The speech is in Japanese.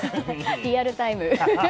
リアルタイム。